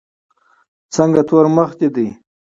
څنګه تور مخ دي دی.